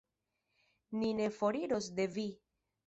Ni ne foriros de Vi.